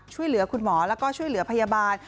ช่วยเหลือคุณหมอแล้วก็ช่วยเหลือพยาบาล